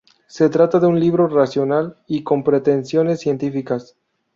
Se trata de un libro racional y con pretensiones científicas.